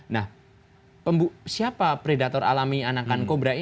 nah siapa predator alami anakan kobra ini